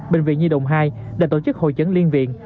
bệnh viện nhi đồng hai đã tổ chức hội chứng liên viện